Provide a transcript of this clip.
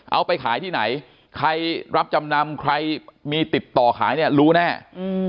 เอาไปขายที่ไหนใครรับจำนำใครมีติดต่อขายเนี่ยรู้แน่อืม